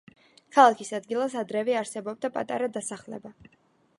ქალაქის ადგილას ადრევე არსებობდა პატარა დასახლება.